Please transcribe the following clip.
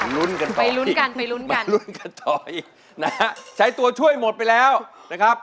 ลุ้นกันต่ออีกมาลุ้นกันต่ออีกนะฮะใช้ตัวช่วยหมดไปแล้วนะครับ